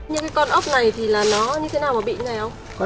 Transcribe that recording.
nhưng cái con ốc này thì là nó như thế nào mà bị như thế này không